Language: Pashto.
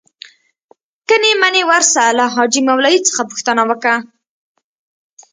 که نې منې ورسه له حاجي مولوي څخه پوښتنه وکه.